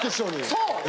そう！